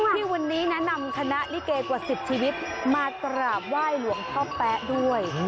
ที่วันนี้แนะนำคณะลิเกกว่า๑๐ชีวิตมากราบไหว้หลวงพ่อแป๊ะด้วย